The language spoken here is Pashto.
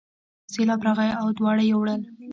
سیلاب راغی او دواړه یې یووړل.